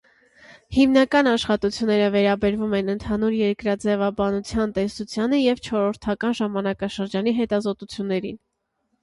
Հիմնական աշխատությունները վերաբերում են ընդհանուր երկրաձևաբանության տեսությանը և չորրորդական ժամանակաշրջանի հետազոտություններին։